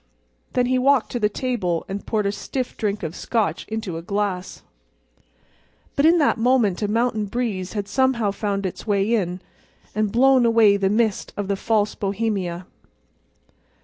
And then he walked to the table and poured a stiff drink of Scotch into a glass. But in that moment a mountain breeze had somehow found its way in and blown away the mist of the false Bohemia.